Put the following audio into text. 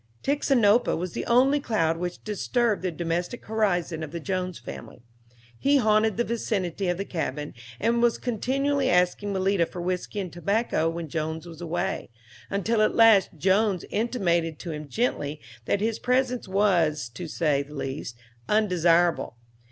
Tixinopa was the only cloud which disturbed the domestic horizon of the Jones family. He haunted the vicinity of the cabin, and was continually asking Malita for whiskey and tobacco when Jones was away, until at last Jones intimated to him gently that his presence was, to say the least, undesirable.